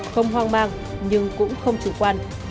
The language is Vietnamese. không hoang mang nhưng cũng không trừ quan